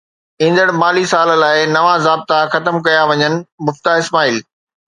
ايندڙ مالي سال لاءِ نوان ضابطا ختم ڪيا وڃن: مفتاح اسماعيل